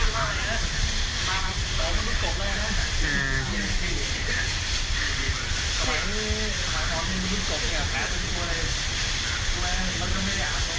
ใช้ใช้แบบพับพับพับ